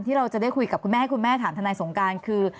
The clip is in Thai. เราจะได้คุยกับคุณแม่ให้คุณแม่ถามทนายสงการคือ